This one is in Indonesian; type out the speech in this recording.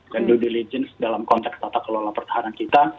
dan due diligence dalam konteks tata kelola pertahanan kita